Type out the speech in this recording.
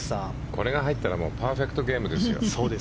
これが入ったらパーフェクトゲームですよ。